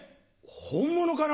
本物かな？